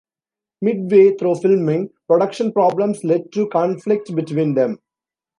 Mid-way through filming, production problems led to conflict between them.